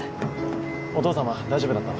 お父様大丈夫だったの？